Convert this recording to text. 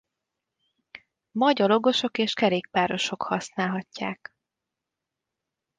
Ma gyalogosok és kerékpárosok használhatják.